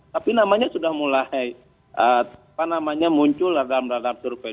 tapi namanya sudah mulai apa namanya muncul dalam radar survei